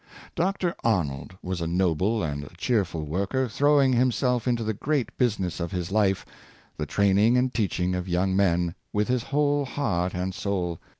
Dr. Arnold was a noble and a cheerful worker, throw ing himself^ into the great business of his life, the training and teaching of young men, with his whole heart and soul.